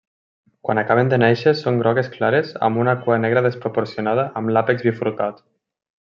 Quan acaben de néixer són grogues clares amb una cua negra desproporcionada amb l'àpex bifurcat.